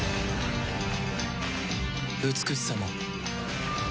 美しさも